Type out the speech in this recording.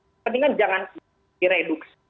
kepentingan jangan direduk